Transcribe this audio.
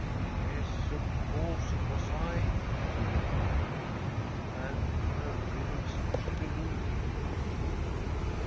' Yes, of course it was 1/ he replied. And in her dreams she believed him.